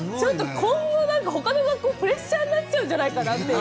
他の学校がプレッシャーになっちゃうんじゃないかなって。